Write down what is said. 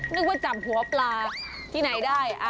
นึกว่าจับหัวปลาที่ไหนได้